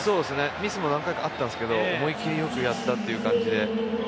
ミスも何回かあったんですけど思い切りよくやったという感じで。